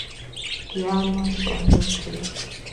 kiam mosonik beek